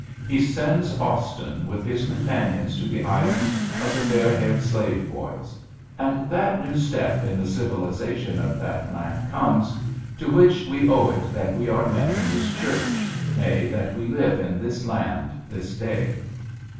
He sends Austin with his companions to the island of the fair haired slave boys; and that new step in the civilization of that land comes, to which we owe it that we are met in this church, nay, that we live in this land this day.